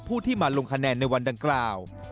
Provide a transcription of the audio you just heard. ผู้ที่มาลงคะแนนในวันดังกล่าว